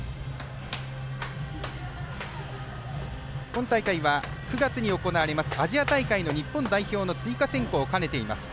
今大会は９月に行われますアジア大会の日本代表の追加選考を兼ねています。